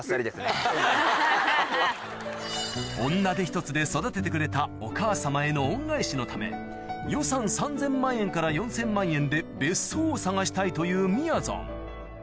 女手ひとつで育ててくれたお母様への恩返しのため予算３０００万円から４０００万円で別荘を探したいというみやぞん